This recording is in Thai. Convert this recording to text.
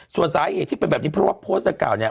ส่วนสาเหตุที่เป็นแบบนี้เพราะว่าโพสต์ดังกล่าวเนี่ย